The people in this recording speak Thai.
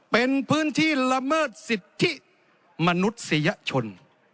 เป็นพื้นที่ละเมิดสิทธิมนุษยชน